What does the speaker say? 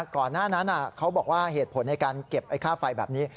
ก่อนหน้านั้นเขาบอกว่าเหตุผลในการเก็บค่าไฟแบบนี้